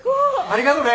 ありがとね。